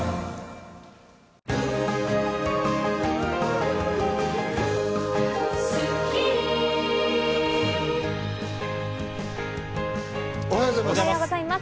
おはようございます。